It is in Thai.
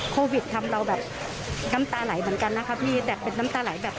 โควิดทำเราแบบน้ำตาไหลเหมือนกันนะคะพี่แต่เป็นน้ำตาไหลแบบ